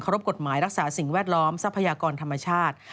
รบกฎหมายรักษาสิ่งแวดล้อมทรัพยากรธรรมชาติ